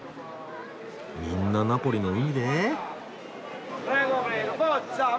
みんなナポリの海で？